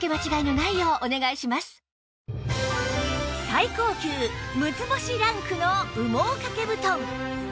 最高級６つ星ランクの羽毛掛け布団